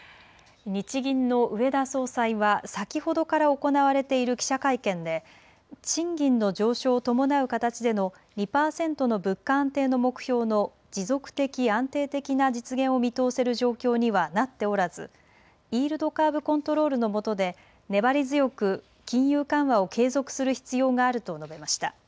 日銀の植田総裁は先ほどから行われている記者会見で賃金の上昇を伴う形での２％の物価安定の目標の持続的、安定的な実現を見通せる状況にはなっておらず、イールドカーブ・コントロールのもとで粘り強く金融緩和を継続する必要があると述べました。